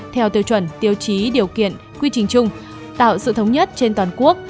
theo tiêu chuẩn tiêu chí điều kiện quy trình chung tạo sự thống nhất trên toàn quốc